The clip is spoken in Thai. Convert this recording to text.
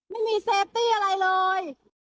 ไม่มีเซฟตี้อะไรเลย